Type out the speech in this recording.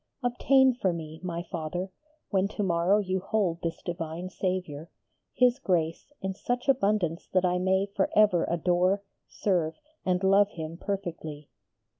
Obtain for me, my Father, when to morrow you hold this divine Saviour, His grace in such abundance that I may for ever adore, serve, and love Him perfectly.